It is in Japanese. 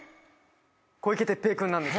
小池徹平君なんです。